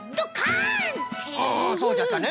そうじゃったね。